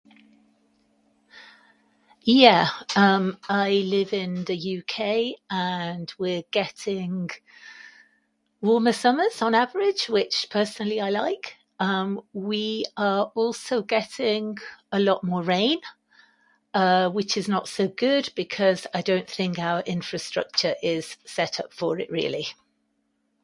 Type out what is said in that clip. Yeah. Um, I live in the UK and we're getting warmer summers on average which personally I like. Um, we are also getting a lot more rain which is not so good because I don't think our infrastructure is set up for it really.